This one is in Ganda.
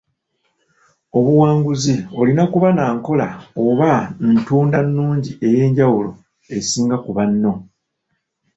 Obuwanguzi olina kuba na nkola oba ntunda nnungi ey'enjawulo esinga ku banno.